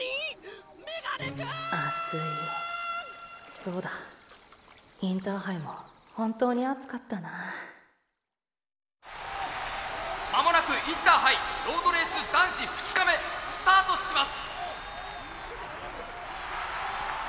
そうだインターハイも本当にあつかったな「間もなくインターハイロードレース男子２日目スタートします」。